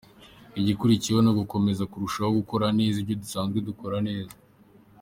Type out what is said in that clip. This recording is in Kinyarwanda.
Igikurikiyeho ni ugukomeza kurushaho gukora neza ibyo dusanzwe dukora neza.